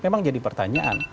memang jadi pertanyaan